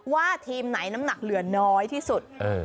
ทีมไหนน้ำหนักเหลือน้อยที่สุด